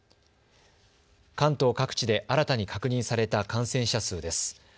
関東各地で新たに確認された感染者数です。